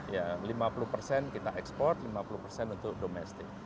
ya lima puluh persen kita ekspor lima puluh persen untuk domestik